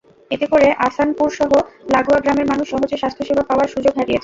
এতে করে আছানপুরসহ লাগোয়া গ্রামের মানুষ সহজে স্বাস্থ্যসেবা পাওয়ার সুযোগ হারিয়েছে।